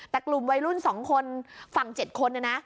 แต่กลุ่มวัยรุ่น๒คนฝั่ง๗คนเนี่ยนะ